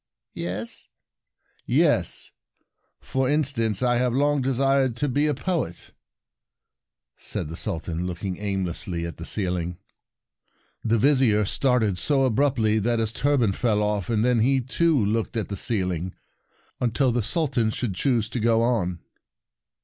"Yes?" " Yes. For instance, I have long desired to be a poet," said the Sultan, looking aimlessly at the ceiling. The Vizier started so abruptly that his turban fell off, and then he, too, looked at the ceiling, until the Suhan should choose to go on.